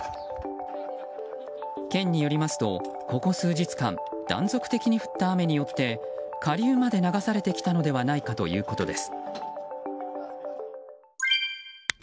県によりますと、ここ数日間断続的に降った雨によって下流まで流されてきたのではないかということです。